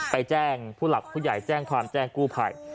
ไปแจ้งผู้หลักผู้ใหญ่แจ้งความแจ้งกู้ภัย